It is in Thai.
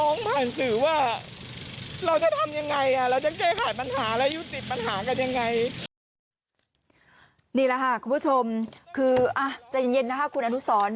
นี่ล่ะค่ะคุณผู้ชมคืออ่าใจเย็นคุณแอนนุสรรว์